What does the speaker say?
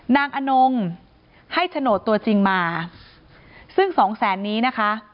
อนงให้โฉนดตัวจริงมาซึ่งสองแสนนี้นะคะ